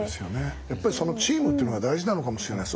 やっぱりチームっていうのが大事なのかもしれないです。